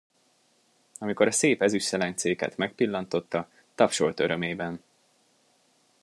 Amikor a szép ezüstszelencéket megpillantotta, tapsolt örömében.